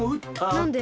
なんで？